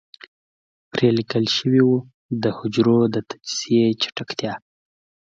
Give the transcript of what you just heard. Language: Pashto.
پرې ليکل شوي وو د حجرو د تجزيې چټکتيا.